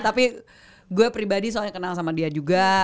tapi gue pribadi soalnya kenal sama dia juga